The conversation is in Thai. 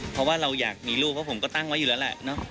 เพราะว่าเราอยากมีลูกเพราะผมก็ตั้งไว้อยู่แล้วแหละเนอะ